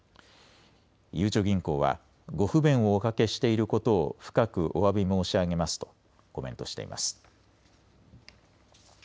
ゆうちょ銀行はご不便をおかけしていることを深くおわび申し上げますとコメントしています。